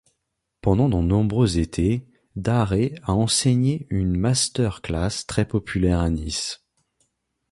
Pendant de nombreux étés, Darré a enseigné une master-class très populaire à Nice.